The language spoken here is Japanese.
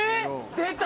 出た！